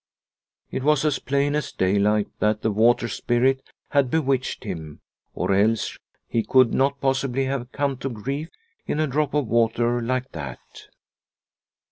It was as plain as daylight that the " water spirit " had bewitched him, or else he could not possibly have come to grief in a drop of water like that.